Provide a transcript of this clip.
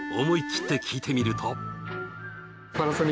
思い切って聞いてみると。